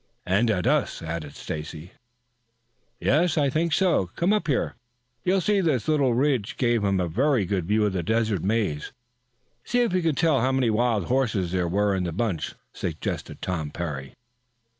"And at us," added Stacy. "Yes, I think so. Come up here. You see this little ridge gave him a very good view of the desert maze. See if you can tell how many wild horses there were in the bunch," suggested Tom Parry.